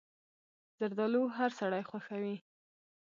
زردالو هر سړی خوښوي.